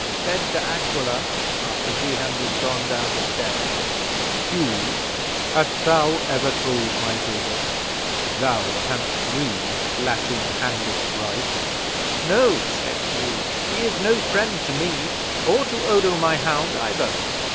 'Said De Aquila, after Jehan was gone down the stair: "Hugh, hast thou ever told my Gilbert thou canst read Latin hand of write?" '"No," said Hugh. "He is no friend to me, or to Odo my hound either."